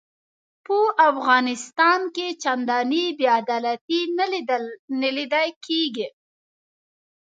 په افغانستان کې چنداني بې عدالتي نه لیده کیږي.